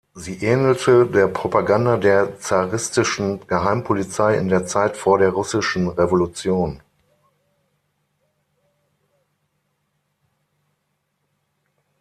Sie ähnelte der Propaganda der zaristischen Geheimpolizei in der Zeit vor der Russischen Revolution.